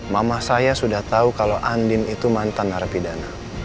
mama saya sudah tahu kalau andin itu mantan narapidana